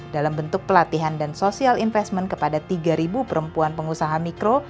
dalam bentuk pelatihan dan social investment kepada tiga perempuan pengusaha mikro